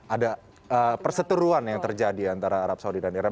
ada perseteruan yang terjadi antara arab saudi dan iran